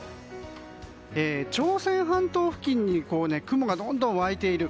朝鮮半島付近に雲がどんどん湧いている。